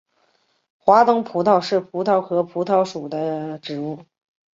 华东葡萄是葡萄科葡萄属的植物。